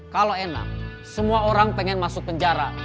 kalau enak semua orang pengen masuk penjara